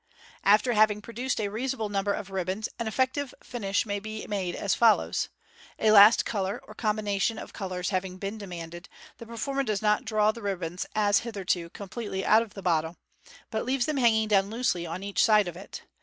After having produced a reasonable number of ribbons, an effective finish may be made as follows :— A last colour or combination of colours having been demanded, the performer does not draw the ribbons, as hitherto, completely out of the bottle, but leaves them hanging down loosely on each side of it.